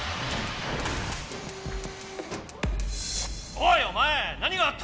おいおまえ何があった！